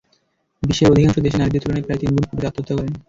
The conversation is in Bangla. বিশ্বের অধিকাংশ দেশে নারীদের তুলনায় প্রায় তিন গুণ পুরুষ আত্মহত্যা করেন।